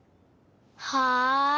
はい。